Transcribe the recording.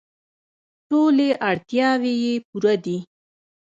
ټولې اړتیاوې یې پوره دي.